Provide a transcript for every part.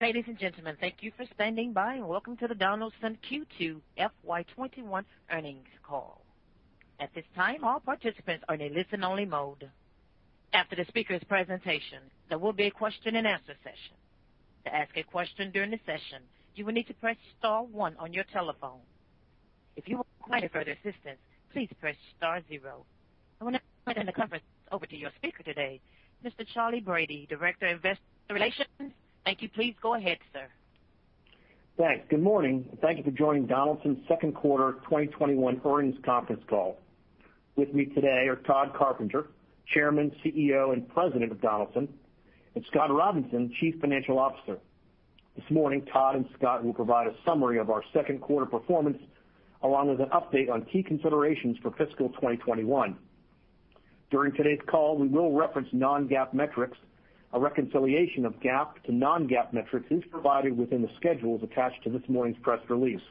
Ladies and gentlemen, thank you for standing by, welcome to the Donaldson Q2 FY 2021 Earnings Call. At this time, all participants are in a listen-only mode. After the speakers' presentation, there will be a question-and-answer session. To ask a question during the session, you will need to press star one on your telephone. If you require further assistance, please press star zero. I want to turn the conference over to your speaker today, Mr. Charley Brady, Director of Investor Relations. Thank you. Please go ahead, sir. Thanks. Good morning. Thank you for joining Donaldson's second quarter 2021 earnings conference call. With me today are Tod Carpenter, Chairman, CEO, and President of Donaldson, and Scott Robinson, Chief Financial Officer. This morning, Tod and Scott will provide a summary of our second quarter performance, along with an update on key considerations for fiscal 2021. During today's call, we will reference non-GAAP metrics. A reconciliation of GAAP to non-GAAP metrics is provided within the schedules attached to this morning's press release.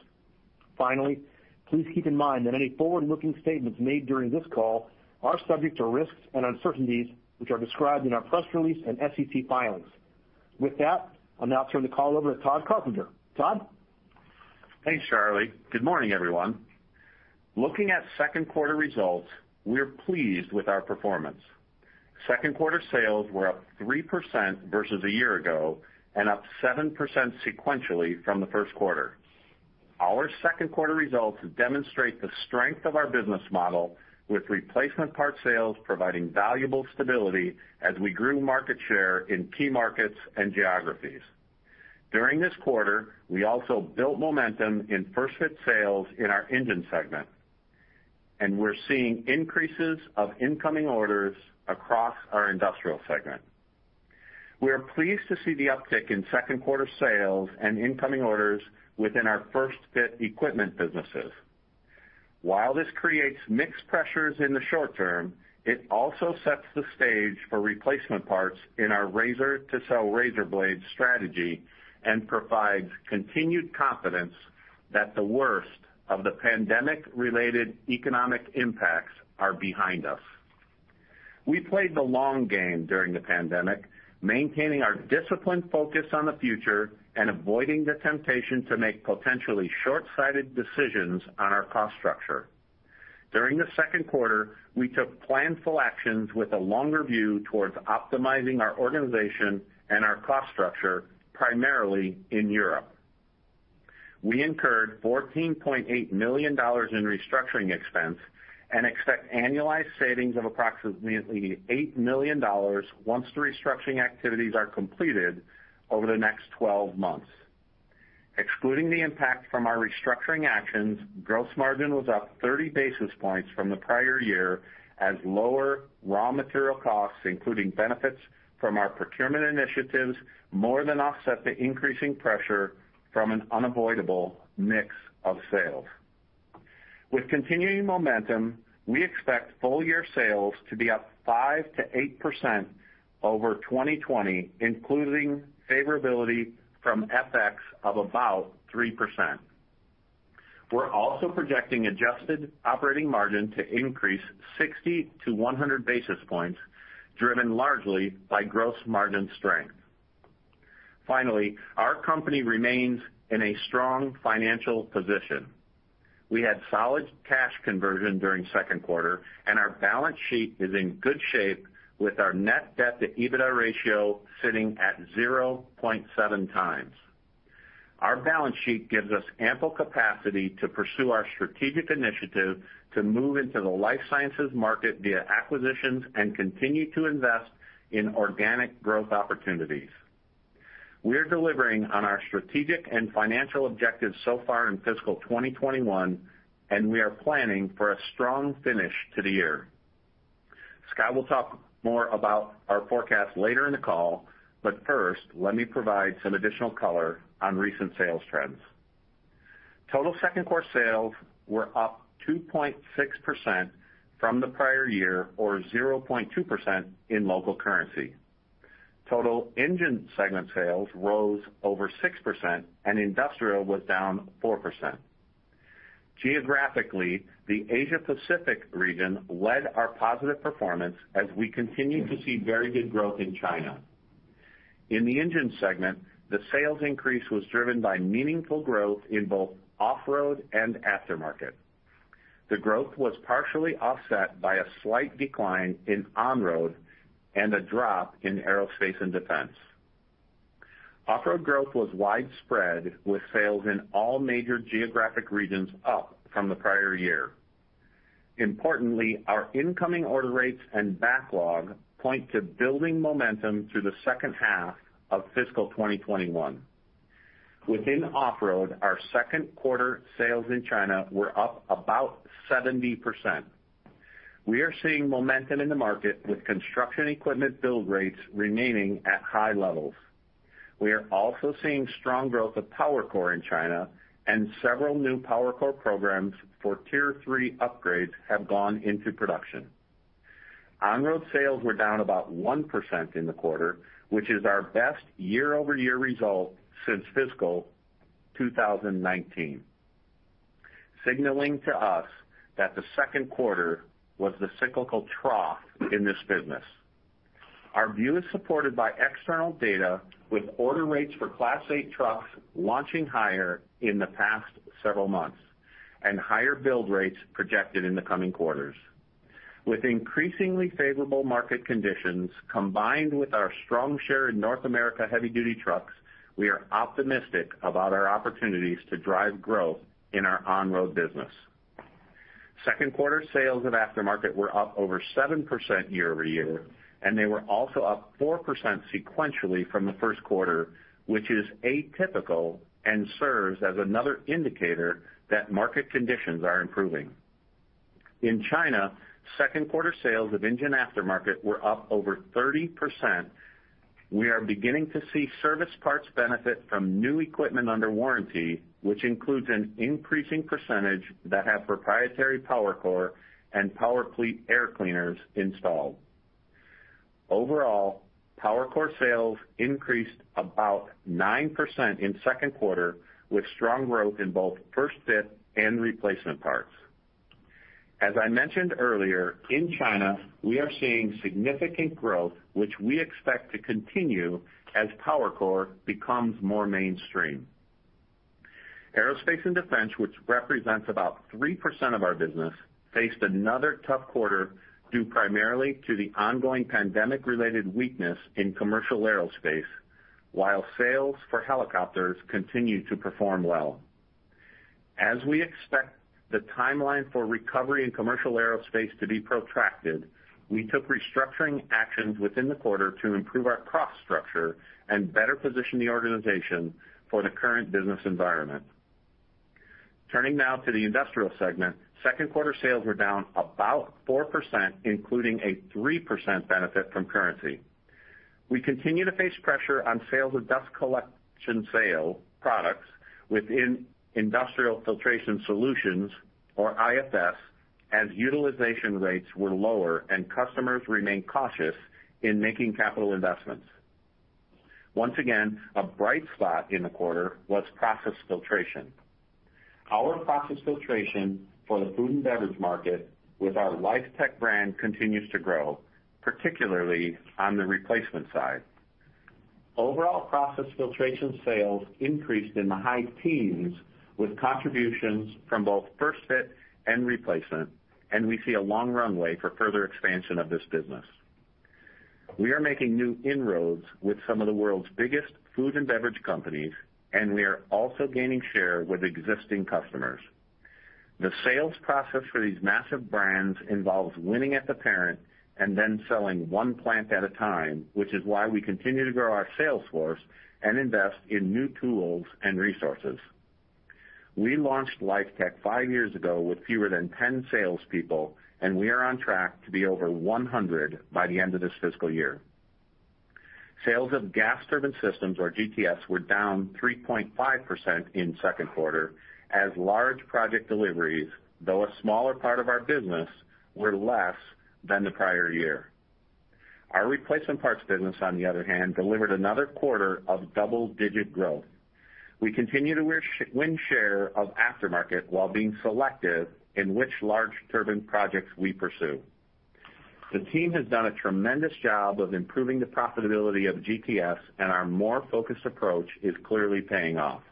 Finally, please keep in mind that any forward-looking statements made during this call are subject to risks and uncertainties, which are described in our press release and SEC filings. With that, I'll now turn the call over to Tod Carpenter. Tod? Thanks, Charley. Good morning, everyone. Looking at second quarter results, we are pleased with our performance. Second quarter sales were up 3% versus a year ago and up 7% sequentially from the first quarter. Our second quarter results demonstrate the strength of our business model, with replacement part sales providing valuable stability as we grew market share in key markets and geographies. During this quarter, we also built momentum in first-fit sales in our Engine segment, and we're seeing increases of incoming orders across our Industrial segment. We are pleased to see the uptick in second quarter sales and incoming orders within our first-fit equipment businesses. While this creates mixed pressures in the short term, it also sets the stage for replacement parts in our razor to sell razorblades strategy and provides continued confidence that the worst of the pandemic-related economic impacts are behind us. We played the long game during the pandemic, maintaining our disciplined focus on the future and avoiding the temptation to make potentially short-sighted decisions on our cost structure. During the second quarter, we took planful actions with a longer view towards optimizing our organization and our cost structure, primarily in Europe. We incurred $14.8 million in restructuring expense and expect annualized savings of approximately $8 million once the restructuring activities are completed over the next 12 months. Excluding the impact from our restructuring actions, gross margin was up 30 basis points from the prior year, as lower raw material costs, including benefits from our procurement initiatives, more than offset the increasing pressure from an unavoidable mix of sales. With continuing momentum, we expect full-year sales to be up 5%-8% over 2020, including favorability from FX of about 3%. We're also projecting adjusted operating margin to increase 60 to 100 basis points, driven largely by gross margin strength. Finally, our company remains in a strong financial position. We had solid cash conversion during the second quarter, and our balance sheet is in good shape, with our net debt to EBITDA ratio sitting at 0.7 times. Our balance sheet gives us ample capacity to pursue our strategic initiative to move into the life sciences market via acquisitions and continue to invest in organic growth opportunities. We are delivering on our strategic and financial objectives so far in fiscal 2021, and we are planning for a strong finish to the year. Scott will talk more about our forecast later in the call. First, let me provide some additional color on recent sales trends. Total second-quarter sales were up 2.6% from the prior year or 0.2% in local currency. Total Engine Segment sales rose over 6%, and Industrial was down 4%. Geographically, the Asia Pacific region led our positive performance as we continued to see very good growth in China. In the Engine Segment, the sales increase was driven by meaningful growth in both off-road and aftermarket. The growth was partially offset by a slight decline in on-road and a drop in aerospace and defense. Off-road growth was widespread, with sales in all major geographic regions up from the prior year. Importantly, our incoming order rates and backlog point to building momentum through the second half of fiscal 2021. Within off-road, our second quarter sales in China were up about 70%. We are seeing momentum in the market, with construction equipment build rates remaining at high levels. We are also seeing strong growth of PowerCore in China, and several new PowerCore programs for Tier 3 upgrades have gone into production. On-road sales were down about 1% in the quarter, which is our best year-over-year result since fiscal 2019. Signaling to us that the second quarter was the cyclical trough in this business. Our view is supported by external data with order rates for Class 8 trucks launching higher in the past several months, and higher build rates projected in the coming quarters. With increasingly favorable market conditions, combined with our strong share in North America heavy duty trucks, we are optimistic about our opportunities to drive growth in our on-road business. Second quarter sales of Aftermarket were up over 7% year-over-year, and they were also up 4% sequentially from the first quarter, which is atypical and serves as another indicator that market conditions are improving. In China, second quarter sales of Engine Aftermarket were up over 30%. We are beginning to see service parts benefit from new equipment under warranty, which includes an increasing percentage that have proprietary PowerCore and PowerPleat air cleaners installed. Overall, PowerCore sales increased about 9% in second quarter, with strong growth in both first fit and replacement parts. As I mentioned earlier, in China, we are seeing significant growth, which we expect to continue as PowerCore becomes more mainstream. Aerospace and Defense, which represents about 3% of our business, faced another tough quarter, due primarily to the ongoing pandemic-related weakness in commercial aerospace, while sales for helicopters continued to perform well. As we expect the timeline for recovery in commercial aerospace to be protracted, we took restructuring actions within the quarter to improve our cost structure and better position the organization for the current business environment. Turning now to the Industrial segment, second quarter sales were down about 4%, including a 3% benefit from currency. We continue to face pressure on sales of dust collection sale products within Industrial Filtration Solutions, or IFS, as utilization rates were lower and customers remained cautious in making capital investments. Once again, a bright spot in the quarter was process filtration. Our process filtration for the food and beverage market with our LifeTec brand continues to grow, particularly on the replacement side. Overall process filtration sales increased in the high teens, with contributions from both first fit and replacement, and we see a long runway for further expansion of this business. We are making new inroads with some of the world's biggest food and beverage companies, and we are also gaining share with existing customers. The sales process for these massive brands involves winning at the parent and then selling one plant at a time, which is why we continue to grow our sales force and invest in new tools and resources. We launched LifeTec five years ago with fewer than 10 salespeople, and we are on track to be over 100 by the end of this fiscal year. Sales of Gas Turbine Systems, or GTS, were down 3.5% in second quarter as large project deliveries, though a smaller part of our business, were less than the prior year. Our replacement parts business, on the other hand, delivered another quarter of double-digit growth. We continue to win share of aftermarket while being selective in which large turbine projects we pursue. The team has done a tremendous job of improving the profitability of GTS, and our more focused approach is clearly paying off.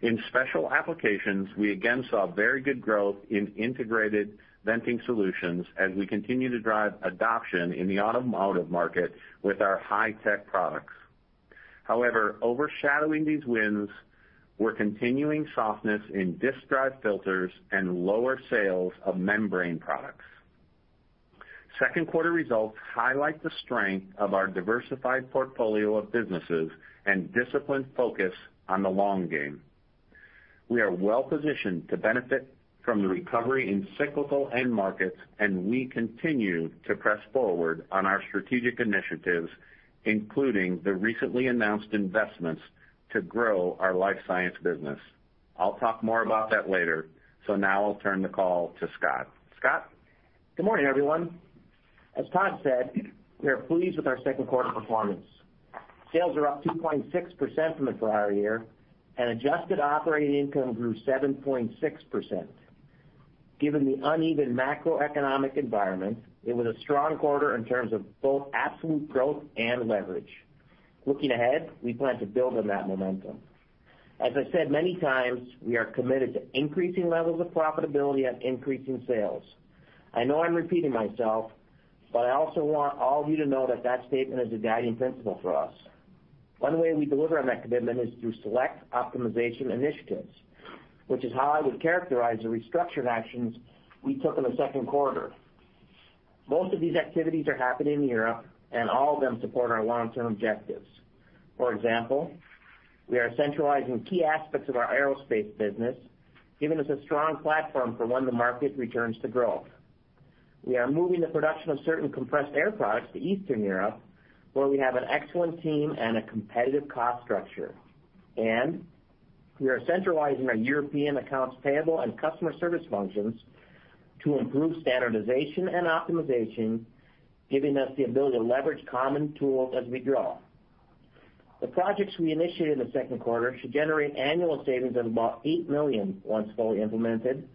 In special applications, we again saw very good growth in integrated venting solutions as we continue to drive adoption in the automotive market with our high-tech products. However, overshadowing these wins were continuing softness in disc drive filters and lower sales of membrane products. Second quarter results highlight the strength of our diversified portfolio of businesses and disciplined focus on the long game. We are well positioned to benefit from the recovery in cyclical end markets, and we continue to press forward on our strategic initiatives, including the recently announced investments to grow our life science business. I'll talk more about that later. Now I'll turn the call to Scott. Scott? Good morning, everyone. As Tod said, we are pleased with our second quarter performance. Sales are up 2.6% from the prior year, and adjusted operating income grew 7.6%. Given the uneven macroeconomic environment, it was a strong quarter in terms of both absolute growth and leverage. Looking ahead, we plan to build on that momentum. As I said many times, we are committed to increasing levels of profitability and increasing sales. I know I'm repeating myself, but I also want all of you to know that statement is a guiding principle for us. One way we deliver on that commitment is through select optimization initiatives, which is how I would characterize the restructuring actions we took in the second quarter. Most of these activities are happening in Europe, and all of them support our long-term objectives. For example, we are centralizing key aspects of our aerospace business, giving us a strong platform for when the market returns to growth. We are moving the production of certain compressed air products to Eastern Europe, where we have an excellent team and a competitive cost structure. We are centralizing our European accounts payable and customer service functions to improve standardization and optimization, giving us the ability to leverage common tools as we grow. The projects we initiated in the second quarter should generate annual savings of about $8 million once fully implemented,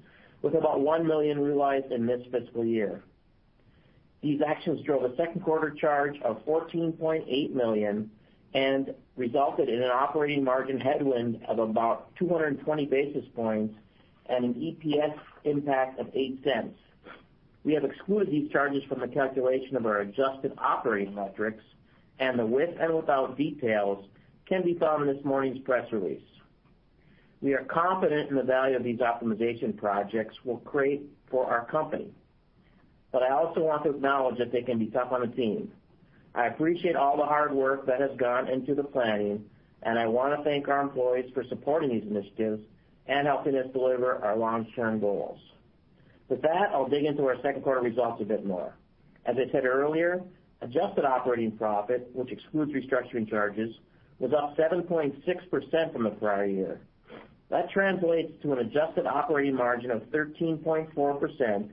with about $1 million realized in this fiscal year. These actions drove a second quarter charge of $14.8 million and resulted in an operating margin headwind of about 220 basis points and an EPS impact of $0.08. We have excluded these charges from the calculation of our adjusted operating metrics, and the with and without details can be found in this morning's press release. We are confident in the value these optimization projects will create for our company. I also want to acknowledge that they can be tough on a team. I appreciate all the hard work that has gone into the planning, and I want to thank our employees for supporting these initiatives and helping us deliver our long-term goals. With that, I'll dig into our second quarter results a bit more. As I said earlier, adjusted operating profit, which excludes restructuring charges, was up 7.6% from the prior year. That translates to an adjusted operating margin of 13.4%,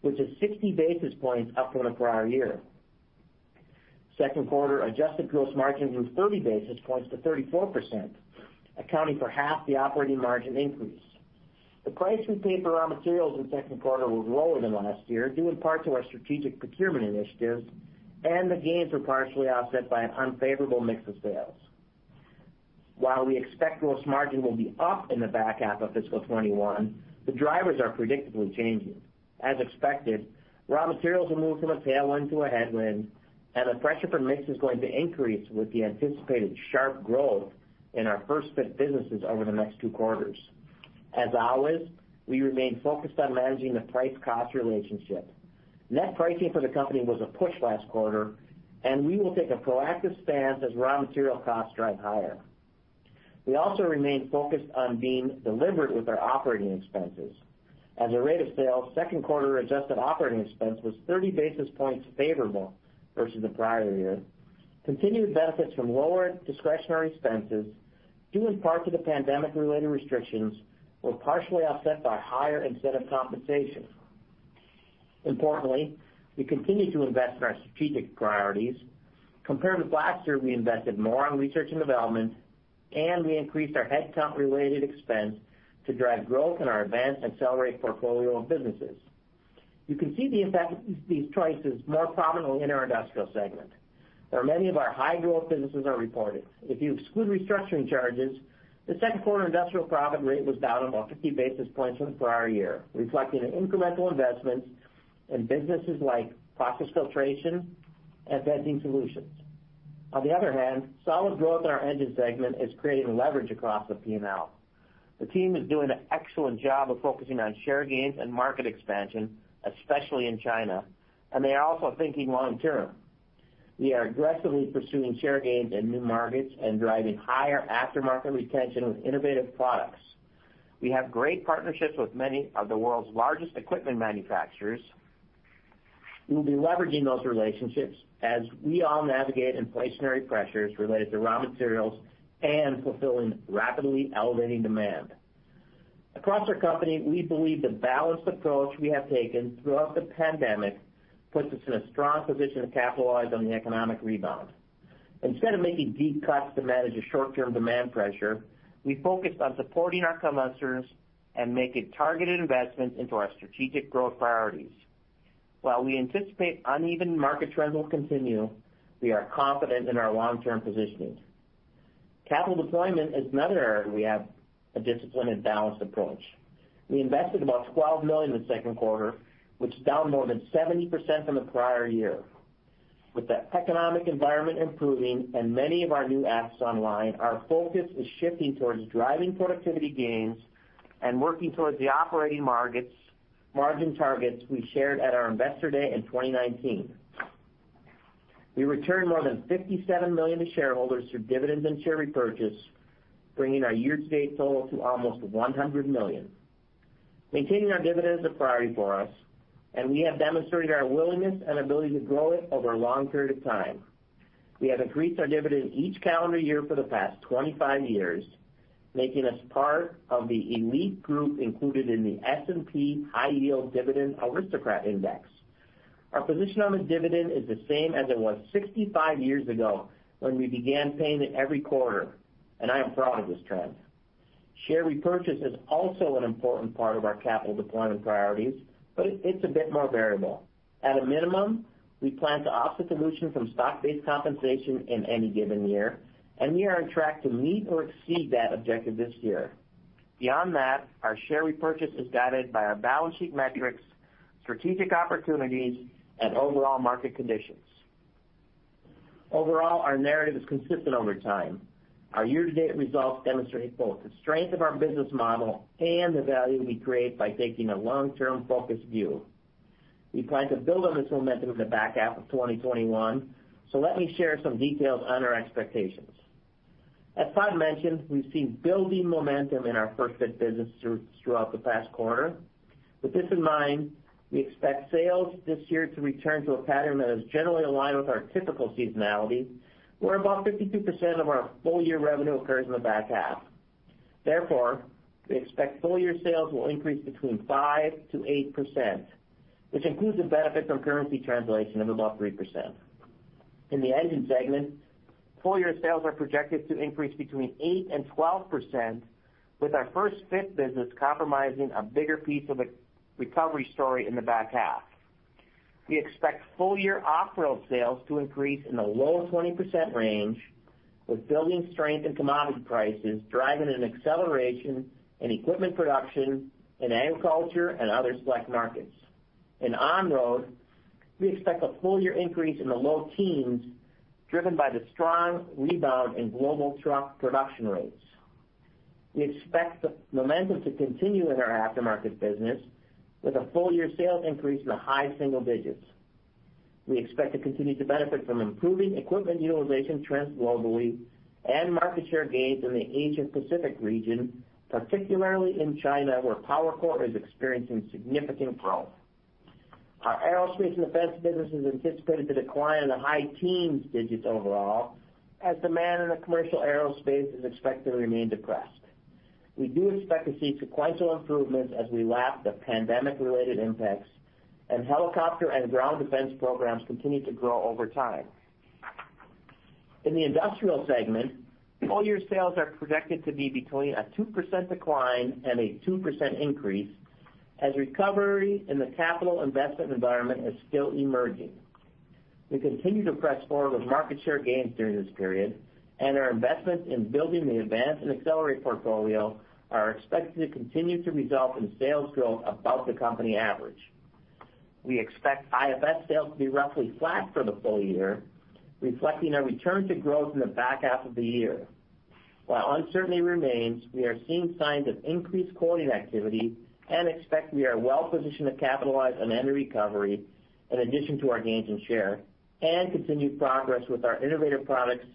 which is 60 basis points up from the prior year. Second quarter adjusted gross margin moved 30 basis points to 34%, accounting for half the operating margin increase. The price we paid for our materials in the second quarter was lower than last year, due in part to our strategic procurement initiatives, and the gains were partially offset by an unfavorable mix of sales. While we expect gross margin will be up in the back half of fiscal 2021, the drivers are predictably changing. As expected, raw materials will move from a tailwind to a headwind, and the pressure for mix is going to increase with the anticipated sharp growth in our first-fit businesses over the next two quarters. As always, we remain focused on managing the price-cost relationship. Net pricing for the company was a push last quarter, and we will take a proactive stance as raw material costs drive higher. We also remain focused on being deliberate with our operating expenses. As a rate of sale, second quarter-adjusted operating expense was 30 basis points favorable versus the prior year. Continued benefits from lower discretionary expenses, due in part to the pandemic-related restrictions, were partially offset by higher incentive compensation. Importantly, we continue to invest in our strategic priorities. Compared with last year, we invested more on research and development, and we increased our headcount-related expense to drive growth in our Advanced Accelerated portfolio of businesses. You can see the effect of these choices more prominently in our industrial segment, where many of our high-growth businesses are reported. If you exclude restructuring charges, the second quarter industrial profit rate was down about 50 basis points from the prior year, reflecting an incremental investment in businesses like process filtration and venting solutions. Solid growth in our engine segment is creating leverage across the P&L. The team is doing an excellent job of focusing on share gains and market expansion, especially in China, and they are also thinking long term. We are aggressively pursuing share gains in new markets and driving higher aftermarket retention with innovative products. We have great partnerships with many of the world's largest equipment manufacturers. We will be leveraging those relationships as we all navigate inflationary pressures related to raw materials and fulfilling rapidly elevating demand. Across our company, we believe the balanced approach we have taken throughout the pandemic puts us in a strong position to capitalize on the economic rebound. Instead of making deep cuts to manage the short-term demand pressure, we focused on supporting our customers and making targeted investments into our strategic growth priorities. While we anticipate uneven market trends will continue, we are confident in our long-term positioning. Capital deployment is another area we have a disciplined and balanced approach. We invested about $12 million in the second quarter, which is down more than 70% from the prior year. With the economic environment improving and many of our new apps online, our focus is shifting towards driving productivity gains and working towards the operating margin targets we shared at our investor day in 2019. We returned more than $57 million to shareholders through dividends and share repurchase, bringing our year-to-date total to almost $100 million. Maintaining our dividend is a priority for us, and we have demonstrated our willingness and ability to grow it over a long period of time. We have increased our dividend each calendar year for the past 25 years, making us part of the elite group included in the S&P High Yield Dividend Aristocrats Index. Our position on the dividend is the same as it was 65 years ago when we began paying it every quarter, and I am proud of this trend. Share repurchase is also an important part of our capital deployment priorities, but it's a bit more variable. At a minimum, we plan to offset dilution from stock-based compensation in any given year, and we are on track to meet or exceed that objective this year. Beyond that, our share repurchase is guided by our balance sheet metrics, strategic opportunities, and overall market conditions. Overall, our narrative is consistent over time. Our year-to-date results demonstrate both the strength of our business model and the value we create by taking a long-term focus view. We plan to build on this momentum in the back half of 2021. Let me share some details on our expectations. As Tod mentioned, we've seen building momentum in our first-fit business throughout the past quarter. With this in mind, we expect sales this year to return to a pattern that is generally aligned with our typical seasonality, where about 52% of our full-year revenue occurs in the back half. Therefore, we expect full-year sales will increase between 5%-8%, which includes the benefits of currency translation of about 3%. In the engine segment, full-year sales are projected to increase between 8% and 12%, with our first-fit business comprising a bigger piece of the recovery story in the back half. We expect full year off-road sales to increase in the low 20% range, with building strength and commodity prices driving an acceleration in equipment production in agriculture and other select markets. In on-road, we expect a full year increase in the low teens, driven by the strong rebound in global truck production rates. We expect the momentum to continue in our aftermarket business with a full year sales increase in the high single-digits. We expect to continue to benefit from improving equipment utilization trends globally and market share gains in the Asia Pacific region, particularly in China, where PowerCore is experiencing significant growth. Our aerospace and defense business is anticipated to decline in the high teens digits overall, as demand in the commercial aerospace is expected to remain depressed. We do expect to see sequential improvements as we lap the pandemic-related impacts, and helicopter and ground defense programs continue to grow over time. In the industrial segment, full year sales are projected to be between a 2% decline and a 2% increase, as recovery in the capital investment environment is still emerging. We continue to press forward with market share gains during this period, and our investments in building the Advance and Accelerate portfolio are expected to continue to result in sales growth above the company average. We expect IFS sales to be roughly flat for the full year, reflecting our return to growth in the back half of the year. While uncertainty remains, we are seeing signs of increased quoting activity and expect we are well positioned to capitalize on any recovery, in addition to our gains in share, and continued progress with our innovative products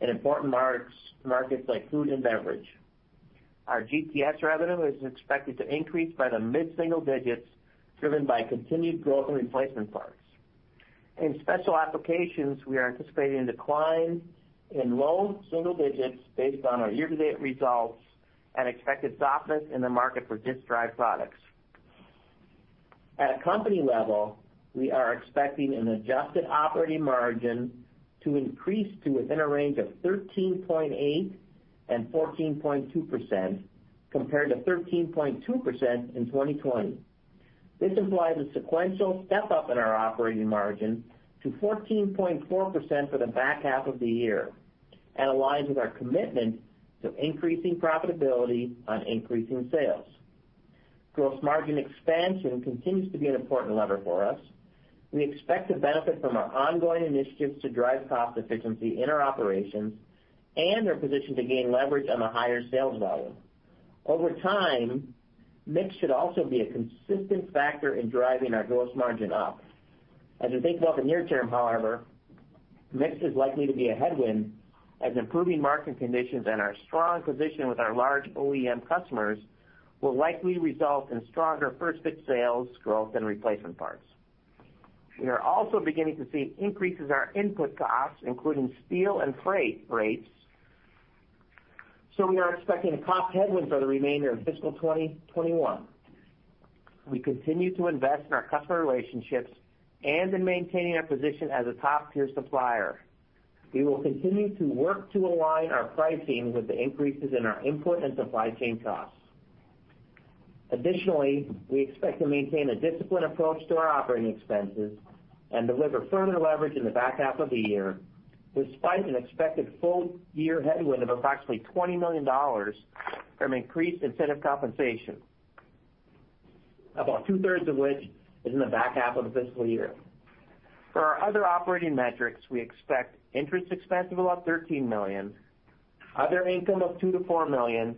in important markets like food and beverage. Our GTS revenue is expected to increase by the mid-single digits, driven by continued growth in replacement parts. In special applications, we are anticipating a decline in low single digits based on our year-to-date results and expected softness in the market for disc drive products. At a company level, we are expecting an adjusted operating margin to increase to within a range of 13.8%-14.2%, compared to 13.2% in 2020. This implies a sequential step-up in our operating margin to 14.4% for the back half of the year and aligns with our commitment to increasing profitability on increasing sales. Gross margin expansion continues to be an important lever for us. We expect to benefit from our ongoing initiatives to drive cost efficiency in our operations and are positioned to gain leverage on the higher sales volume. Over time, mix should also be a consistent factor in driving our gross margin up. As we think about the near term, however, mix is likely to be a headwind as improving market conditions and our strong position with our large OEM customers will likely result in stronger first-fit sales growth than replacement parts. We are also beginning to see increases in our input costs, including steel and freight rates, so we are expecting cost headwinds for the remainder of fiscal 2021. We continue to invest in our customer relationships and in maintaining our position as a top-tier supplier. We will continue to work to align our pricing with the increases in our input and supply chain costs. Additionally, we expect to maintain a disciplined approach to our operating expenses and deliver further leverage in the back half of the year, despite an expected full year headwind of approximately $20 million from increased incentive compensation, about two-thirds of which is in the back half of the fiscal year. For our other operating metrics, we expect interest expense of about $13 million, other income of $2 million-$4 million,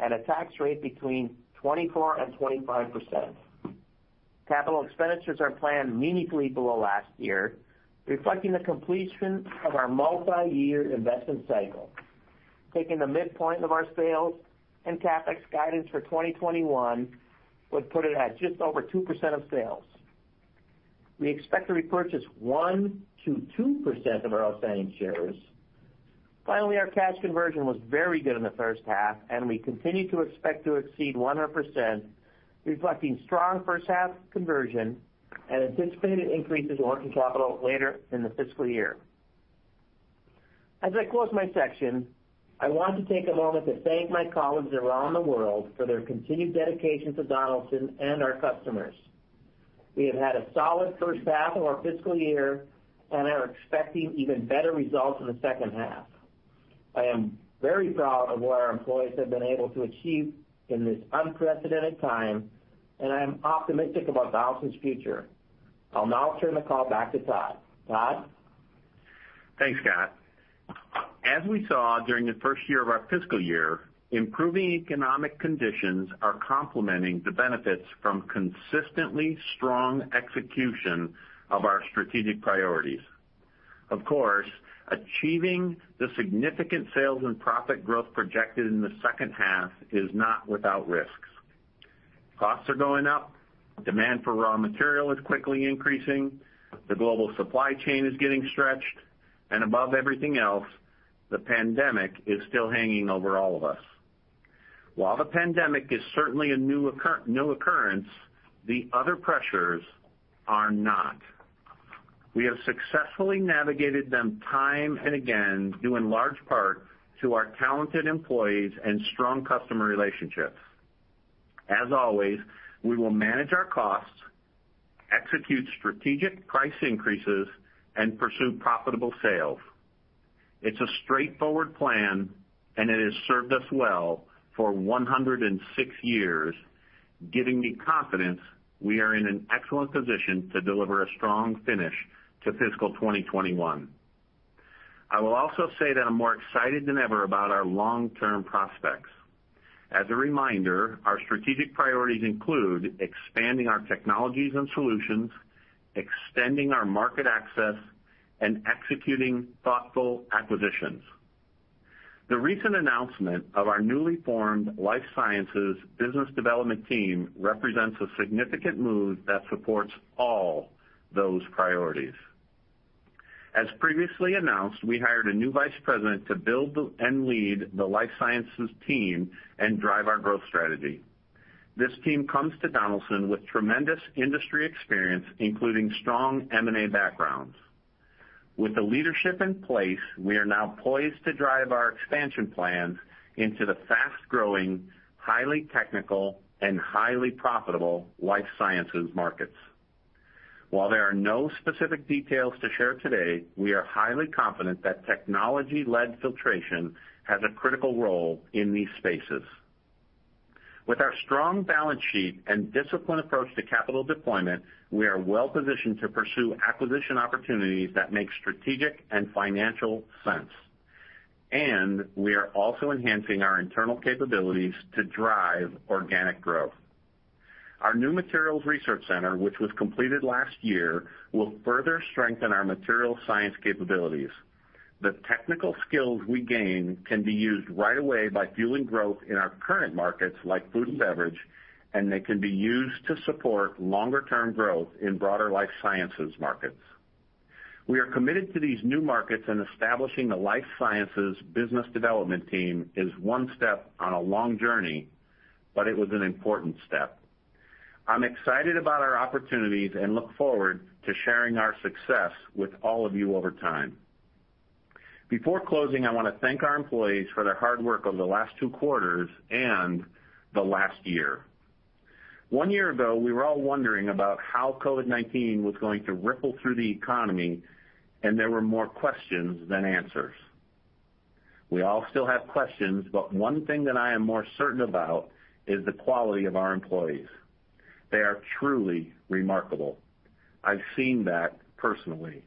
and a tax rate between 24% and 25%. Capital expenditures are planned meaningfully below last year, reflecting the completion of our multiyear investment cycle. Taking the midpoint of our sales and CapEx guidance for 2021 would put it at just over 2% of sales. We expect to repurchase 1%-2% of our outstanding shares. Finally, our cash conversion was very good in the first half, and we continue to expect to exceed 100%, reflecting strong first half conversion and anticipated increases in working capital later in the fiscal year. As I close my section, I want to take a moment to thank my colleagues around the world for their continued dedication to Donaldson and our customers. We have had a solid first half of our fiscal year and are expecting even better results in the second half. I am very proud of what our employees have been able to achieve in this unprecedented time, and I am optimistic about Donaldson's future. I'll now turn the call back to Tod. Tod? Thanks, Scott. As we saw during the first year of our fiscal year, improving economic conditions are complementing the benefits from consistently strong execution of our strategic priorities. Of course, achieving the significant sales and profit growth projected in the second half is not without risks. Costs are going up, demand for raw material is quickly increasing, the global supply chain is getting stretched, and above everything else, the pandemic is still hanging over all of us. While the pandemic is certainly a new occurrence, the other pressures are not. We have successfully navigated them time and again, due in large part to our talented employees and strong customer relationships. As always, we will manage our costs, execute strategic price increases, and pursue profitable sales. It's a straightforward plan, and it has served us well for 106 years, giving me confidence we are in an excellent position to deliver a strong finish to fiscal 2021. I will also say that I'm more excited than ever about our long-term prospects. As a reminder, our strategic priorities include expanding our technologies and solutions, extending our market access, and executing thoughtful acquisitions. The recent announcement of our newly formed life sciences business development team represents a significant move that supports all those priorities. As previously announced, we hired a new vice president to build and lead the life sciences team and drive our growth strategy. This team comes to Donaldson with tremendous industry experience, including strong M&A backgrounds. With the leadership in place, we are now poised to drive our expansion plans into the fast-growing, highly technical, and highly profitable life sciences markets. While there are no specific details to share today, we are highly confident that technology-led filtration has a critical role in these spaces. With our strong balance sheet and disciplined approach to capital deployment, we are well positioned to pursue acquisition opportunities that make strategic and financial sense. We are also enhancing our internal capabilities to drive organic growth. Our new materials research center, which was completed last year, will further strengthen our material science capabilities. The technical skills we gain can be used right away by fueling growth in our current markets, like food and beverage. They can be used to support longer-term growth in broader life sciences markets. We are committed to these new markets. Establishing a life sciences business development team is one step on a long journey. It was an important step. I'm excited about our opportunities and look forward to sharing our success with all of you over time. Before closing, I want to thank our employees for their hard work over the last two quarters and the last year. One year ago, we were all wondering about how COVID-19 was going to ripple through the economy, and there were more questions than answers. We all still have questions, but one thing that I am more certain about is the quality of our employees. They are truly remarkable. I've seen that personally,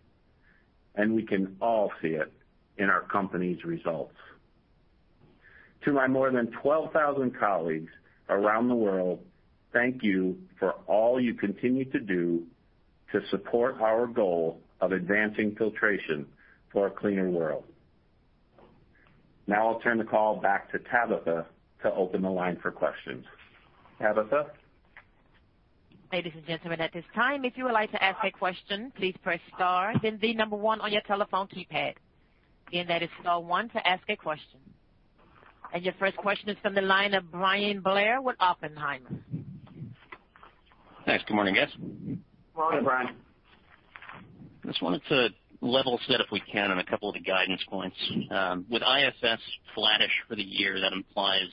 and we can all see it in our company's results. To my more than 12,000 colleagues around the world, thank you for all you continue to do to support our goal of advancing filtration for a cleaner world. Now I'll turn the call back to Tabitha to open the line for questions. Tabitha? Ladies and gentlemen, at this time, if you would like to ask a question, please press star then the number one on your telephone keypad. Again, that is star one to ask a question. Your first question is from the line of Bryan Blair with Oppenheimer. Thanks. Good morning, guys. Good morning, Bryan. I just wanted to level set, if we can, on a couple of the guidance points. With IFS flattish for the year, that implies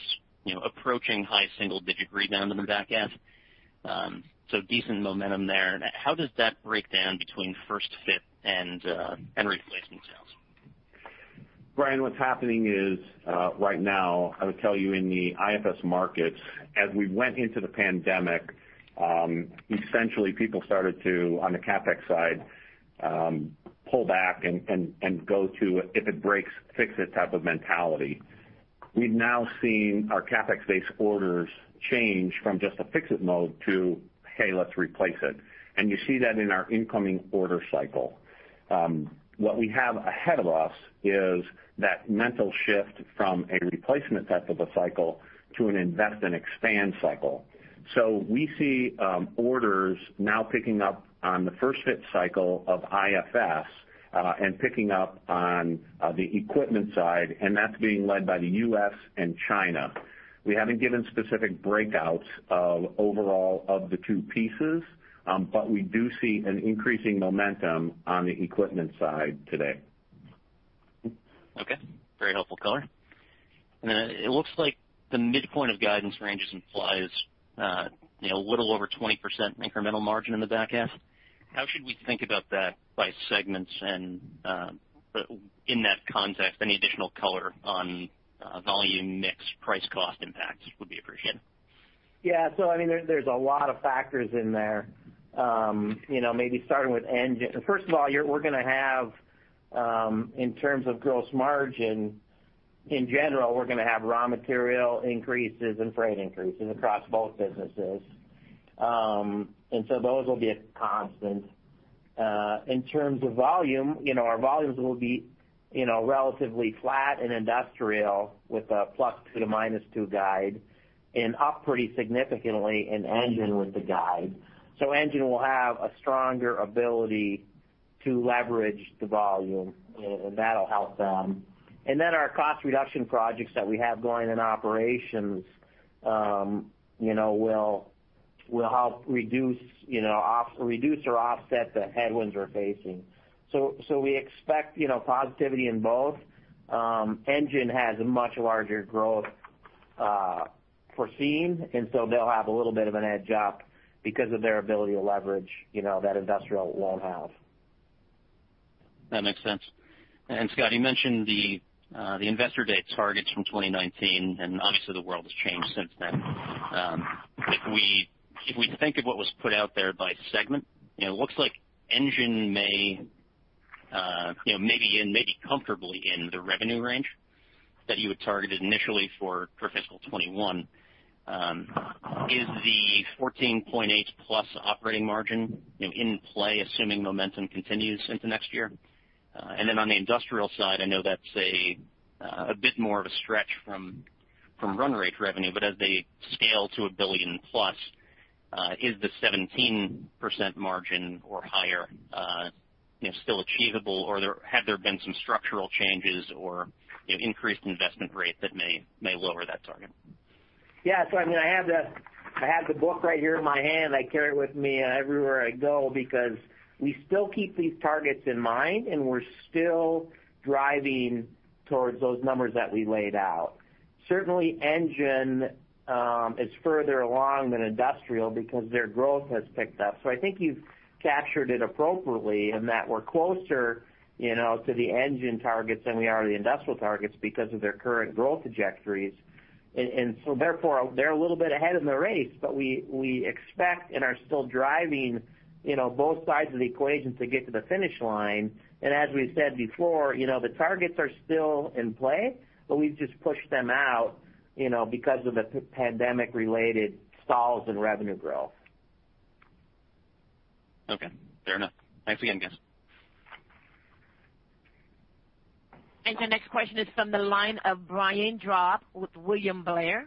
approaching high single-digit rebound in the back half. Decent momentum there. How does that break down between first fit and replacement sales? Bryan, what's happening is, right now, I would tell you in the IFS markets, as we went into the pandemic, essentially people started to, on the CapEx side, pull back and go to a if it breaks, fix it type of mentality. We've now seen our CapEx-based orders change from just a fix-it mode to, "Hey, let's replace it." You see that in our incoming order cycle. What we have ahead of us is that mental shift from a replacement type of a cycle to an invest and expand cycle. We see orders now picking up on the first fit cycle of IFS, and picking up on the equipment side, and that's being led by the U.S. and China. We haven't given specific breakouts of overall of the two pieces, but we do see an increasing momentum on the equipment side today. Okay. Very helpful color. It looks like the midpoint of guidance ranges implies a little over 20% incremental margin in the back half. How should we think about that by segments? In that context, any additional color on volume mix, price cost impacts would be appreciated. Yeah. There's a lot of factors in there. First of all, in terms of gross margin, in general, we're going to have raw material increases and freight increases across both businesses. Those will be a constant. In terms of volume, our volumes will be relatively flat in Industrial with a +2 to -2 guide and up pretty significantly in Engine with the guide. Engine will have a stronger ability to leverage the volume, and that'll help them. Our cost reduction projects that we have going in operations will help reduce or offset the headwinds we're facing. We expect positivity in both. Engine has a much larger growth foreseen, and so they'll have a little bit of an edge up because of their ability to leverage that Industrial won't have. That makes sense. Scott, you mentioned the investor day targets from 2019, and obviously the world has changed since then. If we think of what was put out there by segment, it looks like Engine may be in, maybe comfortably in the revenue range that you had targeted initially for fiscal 2021. Is the 14.8%+ operating margin in play, assuming momentum continues into next year? Then on the Industrial side, I know that's a bit more of a stretch from run rate revenue, but as they scale to $1 billion+, is the 17% margin or higher still achievable, or have there been some structural changes or increased investment rate that may lower that target? Yeah. I have the book right here in my hand. I carry it with me everywhere I go because we still keep these targets in mind, and we're still driving towards those numbers that we laid out. Certainly, engine is further along than industrial because their growth has picked up. I think you've captured it appropriately in that we're closer to the engine targets than we are to the industrial targets because of their current growth trajectories. Therefore, they're a little bit ahead in the race, but we expect and are still driving both sides of the equation to get to the finish line. As we've said before, the targets are still in play, but we've just pushed them out because of the pandemic-related stalls in revenue growth. Okay. Fair enough. Thanks again, guys. The next question is from the line of Brian Drab with William Blair.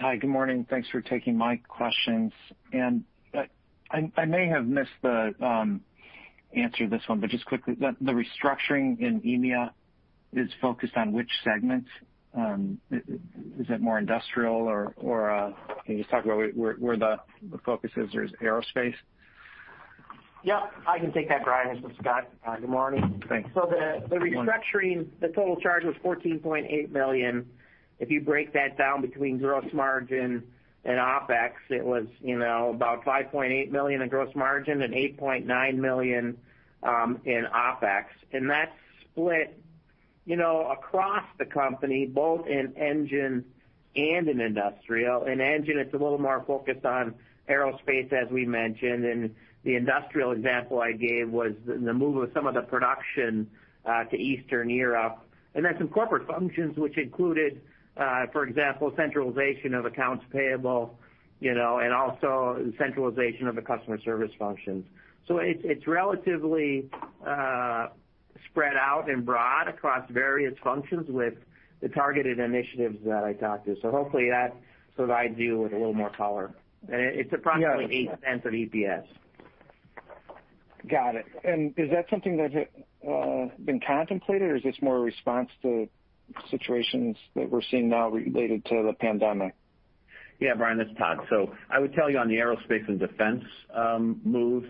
Hi, good morning. Thanks for taking my questions. I may have missed the answer to this one, but just quickly, the restructuring in EMEA is focused on which segment? Is it more industrial, or can you just talk about where the focus is? Is it aerospace? Yeah, I can take that, Bryan. This is Scott. Good morning. Thanks. Good morning. The restructuring, the total charge was $14.8 million. If you break that down between gross margin and OpEx, it was about $5.8 million in gross margin and $8.9 million in OpEx. That's split across the company, both in engine and in industrial. In engine, it's a little more focused on aerospace, as we mentioned, and the industrial example I gave was the move of some of the production to Eastern Europe. Some corporate functions, which included, for example, centralization of accounts payable, and also centralization of the customer service functions. It's relatively spread out and broad across various functions with the targeted initiatives that I talked to. Hopefully that provides you with a little more color. It's approximately $0.08 of EPS. Got it. Is that something that had been contemplated, or is this more a response to situations that we're seeing now related to the pandemic? Yeah, Brian, this is Tod. I would tell you on the aerospace and defense move,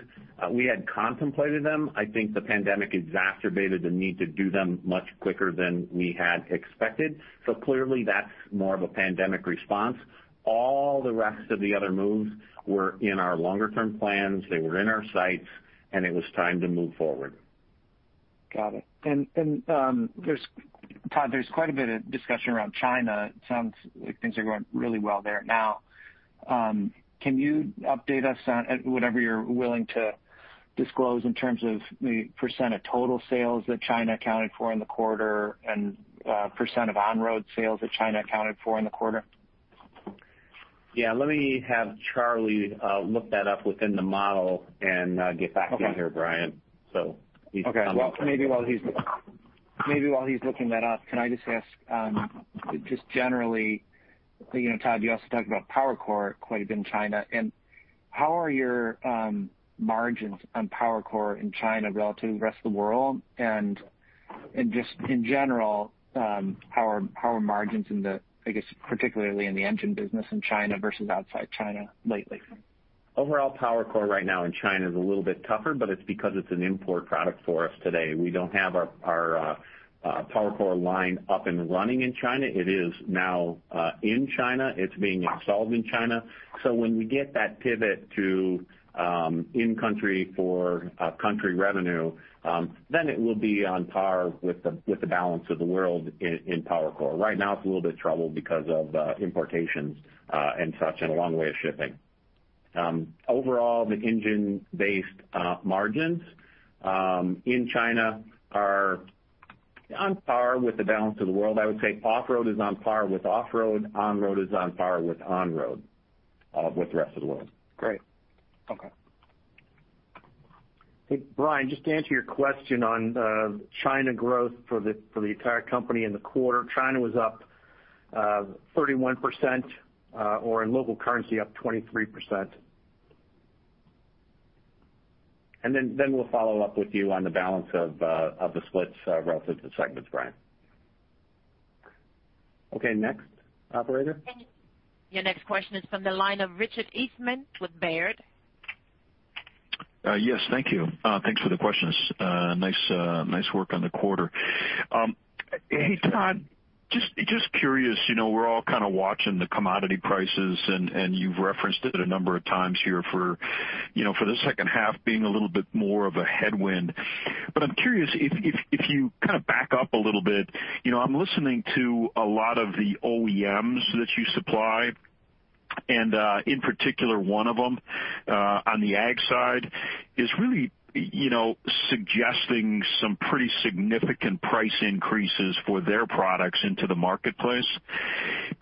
we had contemplated them. I think the pandemic exacerbated the need to do them much quicker than we had expected. Clearly that's more of a pandemic response. All the rest of the other moves were in our longer-term plans. They were in our sights, and it was time to move forward. Got it. Tod, there's quite a bit of discussion around China. It sounds like things are going really well there now. Can you update us on whatever you're willing to disclose in terms of the % of total sales that China accounted for in the quarter and % of on-road sales that China accounted for in the quarter? Yeah. Let me have Charley look that up within the model and get back to you here, Brian. He's looking for me. Okay. Well, maybe while he's looking that up, can I just ask, just generally, Tod, you also talked about PowerCore quite a bit in China. How are your margins on PowerCore in China relative to the rest of the world? Just in general, how are margins, I guess, particularly in the engine business in China versus outside China lately? Overall PowerCore right now in China is a little bit tougher, but it's because it's an import product for us today. We don't have our PowerCore line up and running in China. It is now in China. It's being installed in China. When we get that pivot to in-country for country revenue, then it will be on par with the balance of the world in PowerCore. Right now it's a little bit troubled because of importations and such and a long way of shipping. Overall, the engine-based margins in China are on par with the balance of the world. I would say off-road is on par with off-road. On-road is on par with on-road, with the rest of the world. Great. Okay. Hey, Bryan, just to answer your question on China growth for the entire company in the quarter, China was up 31%, or in local currency, up 23%. We'll follow up with you on the balance of the splits relative to segments, Brian. Okay, next, Operator. Your next question is from the line of Richard Eastman with Baird. Yes, thank you. Thanks for the questions. Nice work on the quarter. Hey, Tod, just curious, we're all kind of watching the commodity prices. You've referenced it a number of times here for the second half being a little bit more of a headwind. I'm curious if you kind of back up a little bit. I'm listening to a lot of the OEMs that you supply. In particular one of them, on the ag side is really suggesting some pretty significant price increases for their products into the marketplace.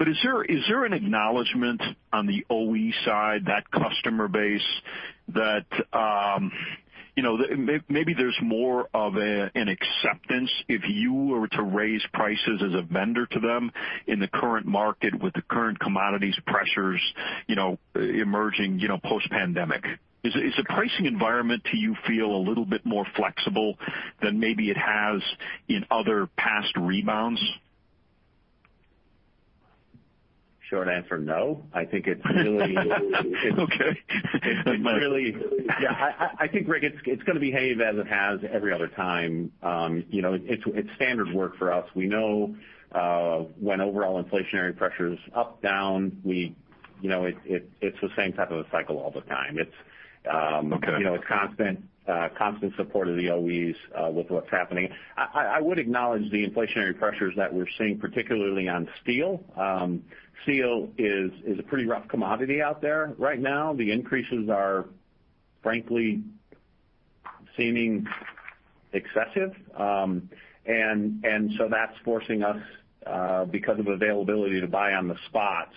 Is there an acknowledgment on the OE side, that customer base, that maybe there's more of an acceptance if you were to raise prices as a vendor to them in the current market with the current commodities pressures emerging, post-pandemic? Is the pricing environment to you feel a little bit more flexible than maybe it has in other past rebounds? Short answer, no. I think it's. Okay. It's really Yeah, I think, Rick, it's going to behave as it has every other time. It's standard work for us. We know when overall inflationary pressure is up, down. It's the same type of a cycle all the time. Okay. It's constant support of the OEs with what's happening. I would acknowledge the inflationary pressures that we're seeing, particularly on steel. Steel is a pretty rough commodity out there right now. The increases are frankly seeming excessive. That's forcing us, because of availability to buy on the spot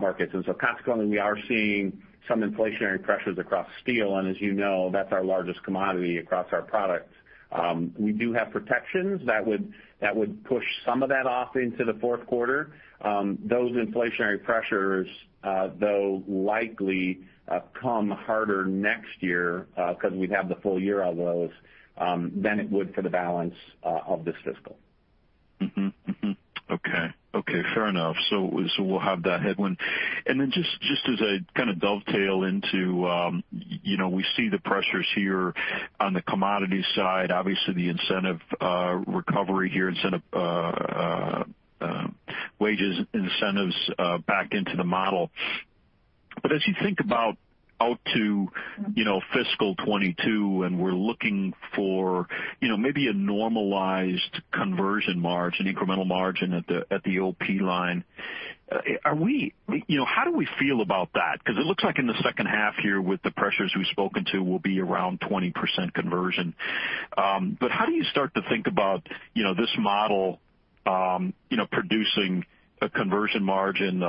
markets. Consequently, we are seeing some inflationary pressures across steel, and as you know, that's our largest commodity across our products. We do have protections that would push some of that off into the fourth quarter. Those inflationary pressures, though likely come harder next year, because we'd have the full year of those, than it would for the balance of this fiscal. Okay. Fair enough. We'll have that headwind. Just as I kind of dovetail into, we see the pressures here on the commodity side, obviously the incentive recovery here, incentive wages, incentives back into the model. As you think about out to fiscal 2022, and we're looking for maybe a normalized conversion margin, incremental margin at the OP line. How do we feel about that? It looks like in the second half here with the pressures we've spoken to will be around 20% conversion. How do you start to think about this model producing a conversion margin?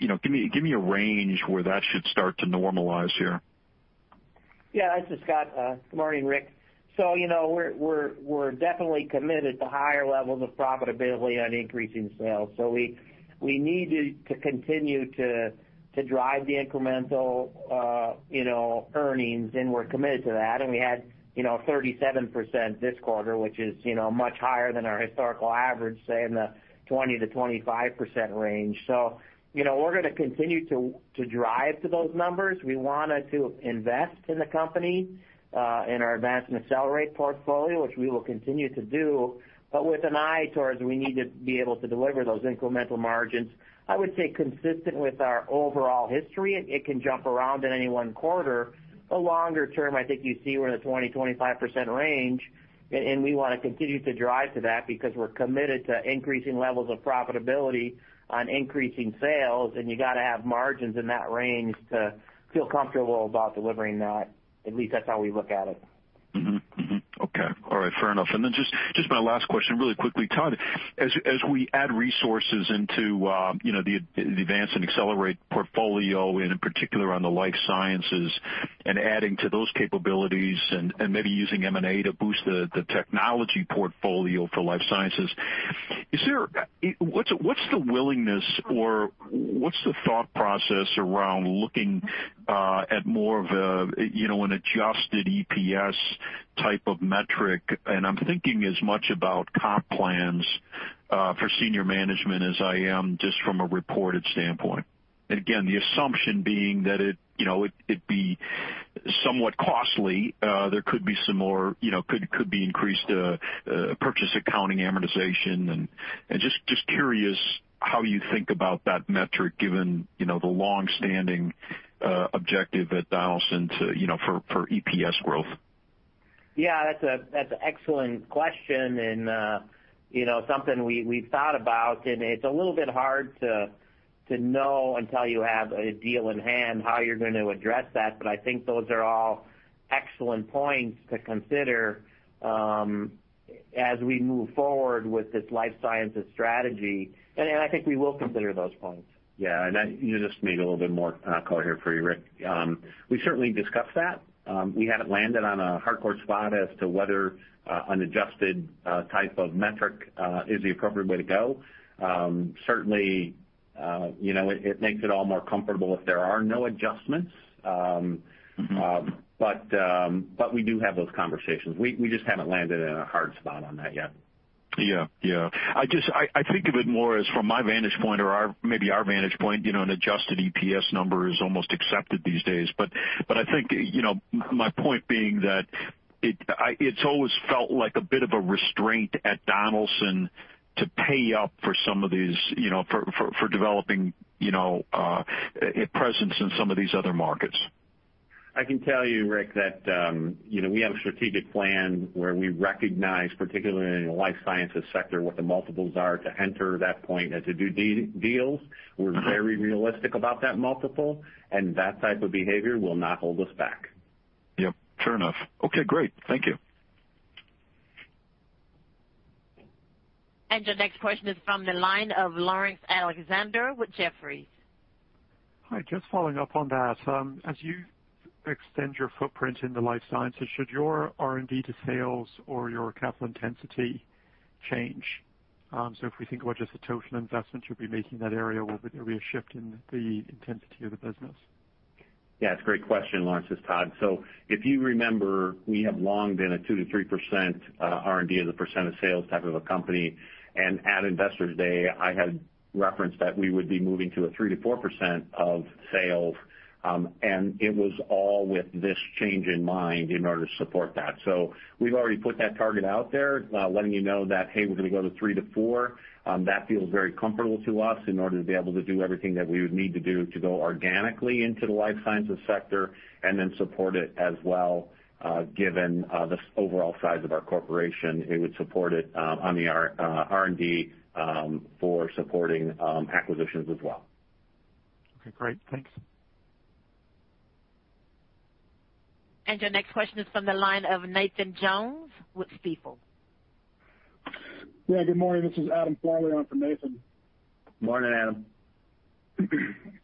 Give me a range where that should start to normalize here. Yeah. This is Scott. Good morning, Rick. We're definitely committed to higher levels of profitability on increasing sales. We need to continue to drive the incremental earnings, and we're committed to that. We had 37% this quarter, which is much higher than our historical average, say in the 20%-25% range. We're going to continue to drive to those numbers. We wanted to invest in the company, in our Advance and Accelerate portfolio, which we will continue to do, but with an eye towards we need to be able to deliver those incremental margins. I would say consistent with our overall history, it can jump around in any one quarter. Longer term, I think you see we're in the 20%-25% range, and we want to continue to drive to that because we're committed to increasing levels of profitability on increasing sales, and you got to have margins in that range to feel comfortable about delivering that. At least that's how we look at it. Okay. All right. Fair enough. Then just my last question really quickly, Tod, as we add resources into the advance and accelerate portfolio, in particular on the life sciences and adding to those capabilities and maybe using M&A to boost the technology portfolio for life sciences. What's the willingness or what's the thought process around looking at more of an adjusted EPS type of metric? I'm thinking as much about comp plans for senior management as I am just from a reported standpoint. Again, the assumption being that it'd be somewhat costly. There could be increased purchase accounting amortization, and just curious how you think about that metric given the longstanding objective at Donaldson for EPS growth. Yeah. That's an excellent question and something we've thought about, and it's a little bit hard to know until you have a deal in hand how you're going to address that. I think those are all excellent points to consider as we move forward with this life sciences strategy, and I think we will consider those points. You just made a little bit more clear here for you, Rick. We certainly discussed that. We haven't landed on a hardcore spot as to whether an adjusted type of metric is the appropriate way to go. Certainly, it makes it all more comfortable if there are no adjustments. We do have those conversations. We just haven't landed in a hard spot on that yet. Yeah. I think of it more as from my vantage point or maybe our vantage point, an adjusted EPS number is almost accepted these days. I think, my point being that it's always felt like a bit of a restraint at Donaldson to pay up for developing a presence in some of these other markets. I can tell you, Rick, that we have a strategic plan where we recognize, particularly in the life sciences sector, what the multiples are to enter that point and to do deals. We're very realistic about that multiple, and that type of behavior will not hold us back. Yep. Fair enough. Okay, great. Thank you. Your next question is from the line of Laurence Alexander with Jefferies. Hi. Just following up on that. As you extend your footprint in the life sciences, should your R&D to sales or your capital intensity change? If we think about just the total investment you'll be making in that area, will there be a shift in the intensity of the business? Yeah, it's a great question, Laurence. It's Tod. If you remember, we have long been a 2%-3% R&D as a % of sales type of a company. At Investors Day, I had referenced that we would be moving to a 3%-4% of sales. It was all with this change in mind in order to support that. We've already put that target out there, letting you know that, hey, we're going to go to 3-4. That feels very comfortable to us in order to be able to do everything that we would need to do to go organically into the life sciences sector and then support it as well given the overall size of our corporation. It would support it on the R&D for supporting acquisitions as well. Okay, great. Thanks. Your next question is from the line of Nathan Jones with Stifel. Yeah, good morning. This is Adam Farley on for Nathan. Morning, Adam.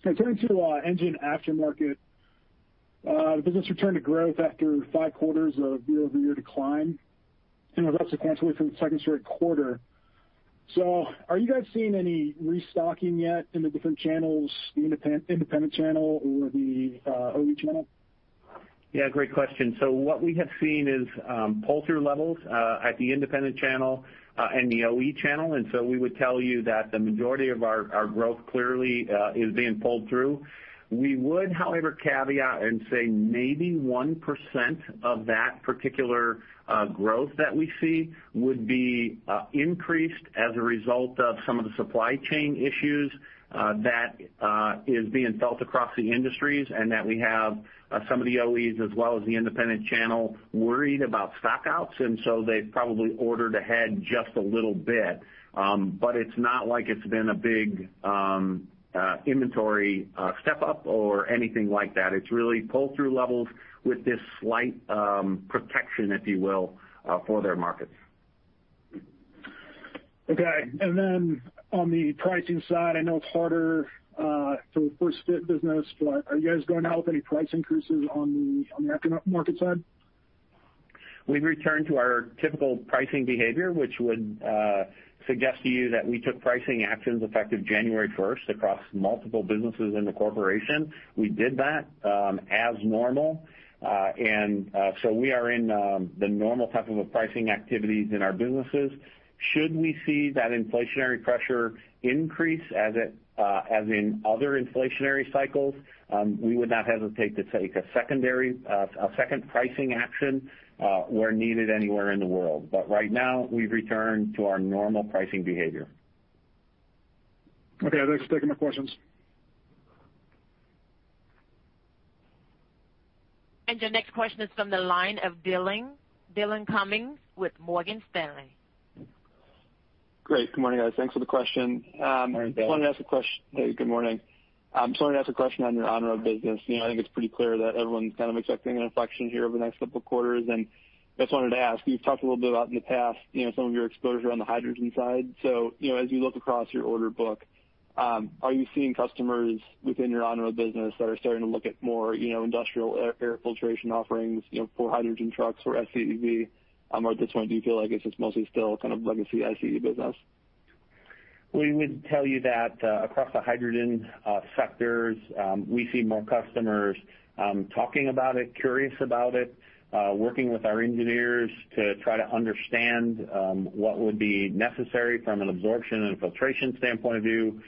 Turning to engine aftermarket. Business returned to growth after five quarters of year-over-year decline and was up sequentially from the second quarter. Are you guys seeing any restocking yet in the different channels, the independent channel or the OE channel? Yeah, great question. What we have seen is pull-through levels at the independent channel and the OE channel. We would tell you that the majority of our growth clearly is being pulled through. We would, however, caveat and say maybe 1% of that particular growth that we see would be increased as a result of some of the supply chain issues that is being felt across the industries, and that we have some of the OEs as well as the independent channel worried about stock outs. They've probably ordered ahead just a little bit. It's not like it's been a big inventory step up or anything like that. It's really pull-through levels with this slight protection, if you will, for their markets. Okay. Then on the pricing side, I know it's harder for the first fit business, but are you guys going out with any price increases on the aftermarket side? We've returned to our typical pricing behavior, which would suggest to you that we took pricing actions effective January 1st across multiple businesses in the corporation. We did that as normal. We are in the normal type of pricing activities in our businesses. Should we see that inflationary pressure increase as in other inflationary cycles, we would not hesitate to take a second pricing action where needed anywhere in the world. Right now, we've returned to our normal pricing behavior. Okay. That's it for my questions. Your next question is from the line of Dillon Cumming with Morgan Stanley. Great. Good morning, guys. Thanks for the question. Morning, Dillon. Hey, good morning. I just wanted to ask a question on your auto business. I think it's pretty clear that everyone's kind of expecting an inflection here over the next couple of quarters. I just wanted to ask, you've talked a little bit about in the past some of your exposures around the hydrogen side. As you look across your order book, are you seeing customers within your auto business that are starting to look at more industrial air filtration offerings for hydrogen trucks or FCEV? At this point, do you feel like it's just mostly still kind of legacy ICE business? We would tell you that across the hydrogen sectors, we see more customers talking about it, curious about it, working with our engineers to try to understand what would be necessary from an absorption and filtration standpoint of view.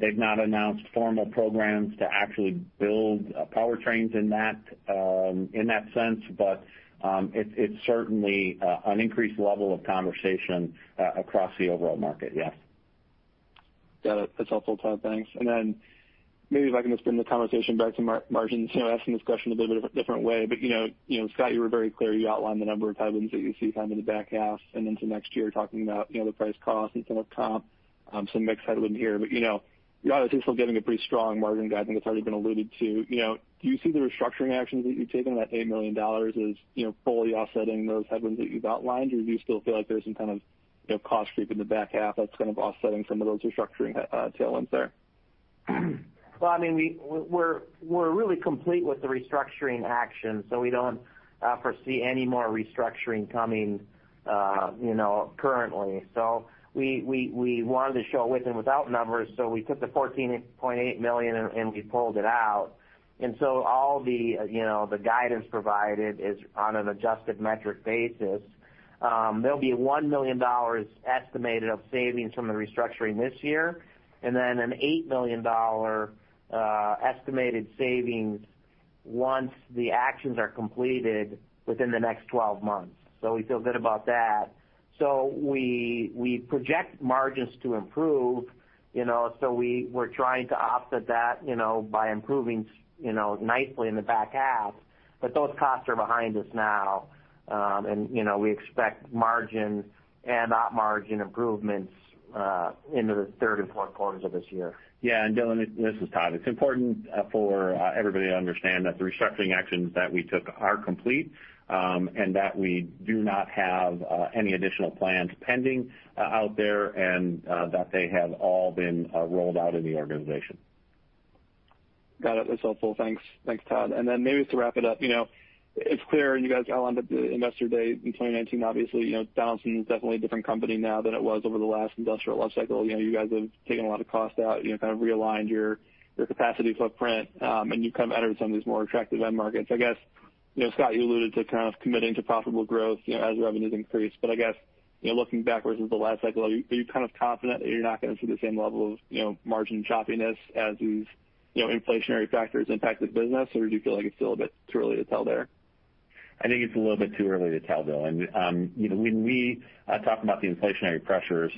They've not announced formal programs to actually build powertrains in that sense. It's certainly an increased level of conversation across the overall market, yes. Got it. That's helpful, Tod. Thanks. Then maybe if I can just bring the conversation back to margins, asking this question a bit of a different way. Scott, you were very clear, you outlined the number of headwinds that you see coming in the back half and into next year, talking about the price cost and some of comp, some mix headwind here. You're obviously still giving a pretty strong margin guide, I think it's already been alluded to. Do you see the restructuring actions that you've taken, that $8 million is fully offsetting those headwinds that you've outlined, or do you still feel like there's some kind of cost creep in the back half that's kind of offsetting some of those restructuring tailwinds there? We're really complete with the restructuring actions. We don't foresee any more restructuring coming currently. We wanted to show with and without numbers. We took the $14.8 million and we pulled it out. All the guidance provided is on an adjusted metric basis. There'll be $1 million estimated of savings from the restructuring this year, an $8 million estimated savings once the actions are completed within the next 12 months. We feel good about that. We project margins to improve. We're trying to offset that by improving nicely in the back half. Those costs are behind us now. We expect margin and op margin improvements into the third and fourth quarters of this year. Yeah, Dillon, this is Tod. It's important for everybody to understand that the restructuring actions that we took are complete, and that we do not have any additional plans pending out there, and that they have all been rolled out in the organization. Got it. That's helpful. Thanks, Tod. Maybe to wrap it up, it's clear, and you guys outlined at the investor day in 2019, obviously, Donaldson is definitely a different company now than it was over the last industrial life cycle. You guys have taken a lot of cost out, kind of realigned your capacity footprint, and you've kind of entered some of these more attractive end markets. I guess, Scott, you alluded to kind of committing to profitable growth as revenues increase. I guess, looking backwards into the last cycle, are you kind of confident that you're not going to see the same level of margin choppiness as these inflationary factors impact the business, or do you feel like it's still a bit too early to tell there? I think it's a little bit too early to tell, Dillon. When we talk about the inflationary pressures,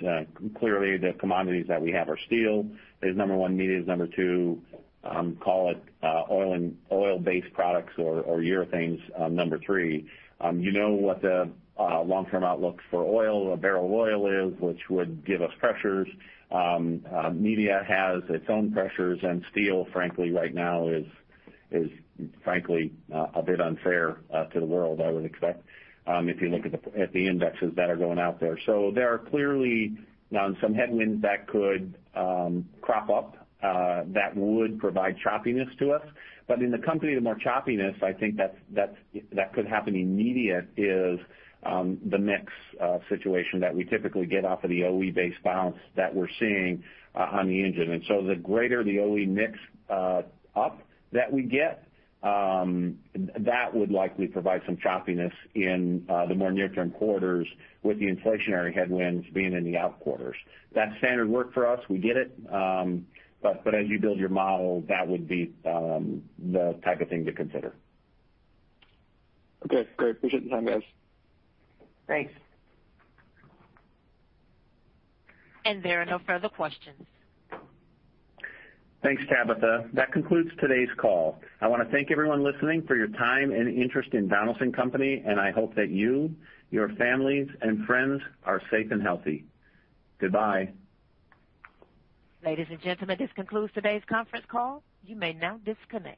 clearly the commodities that we have are steel is number one, media is number two, call it oil and oil-based products or urethanes, number three. You know what the long-term outlook for oil, a barrel of oil is, which would give us pressures. Media has its own pressures, and steel frankly, right now is frankly a bit unfair to the world, I would expect, if you look at the indexes that are going out there. There are clearly some headwinds that could crop up that would provide choppiness to us. In the company, the more choppiness, I think that could happen in media is the mix situation that we typically get off of the OE-based balance that we're seeing on the engine. The greater the OE mix up that we get, that would likely provide some choppiness in the more near-term quarters with the inflationary headwinds being in the out quarters. That's standard work for us. We get it. As you build your model, that would be the type of thing to consider. Okay, great. Appreciate the time, guys. Thanks. There are no further questions. Thanks, Tabitha. That concludes today's call. I want to thank everyone listening for your time and interest in Donaldson Company, and I hope that you, your families, and friends are safe and healthy. Goodbye. Ladies and gentlemen, this concludes today's conference call. You may now disconnect.